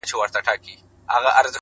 یوه ورځ به دي چیچي؛ پر سپینو لېچو؛